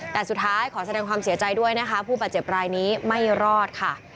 แต่สุดท้ายขอแสดงความเสียใจด้วยนะคะผู้บาดเจ็บรายนี้ไม่รอดค่ะ